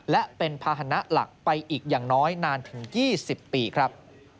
และเป็นภาษณะหลักไปอีกอย่างน้อยนานถึง๒๐ปีครับ